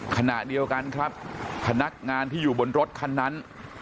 ขณะเดียวกันครับพนักงานที่อยู่บนรถคันนั้น